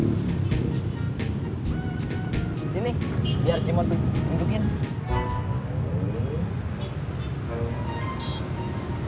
disini biar si mot tundukin